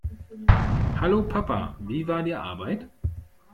Hallo, Papa. Wie war die Arbeit?